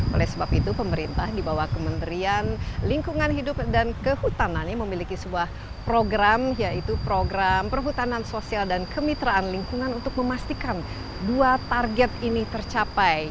oleh sebab itu pemerintah di bawah kementerian lingkungan hidup dan kehutanannya memiliki sebuah program yaitu program perhutanan sosial dan kemitraan lingkungan untuk memastikan dua target ini tercapai